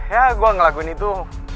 ya gue ngelakuin itu